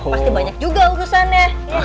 pasti banyak juga urusannya